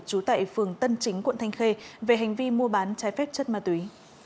trú tại phường tân chính quận thanh khê về hành vi mua bán trái phép chất ma túy